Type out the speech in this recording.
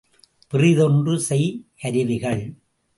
பிறிதொன்று செய் கருவிகள்.